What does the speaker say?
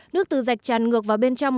nước từ rạch tràn ngược vào bên trong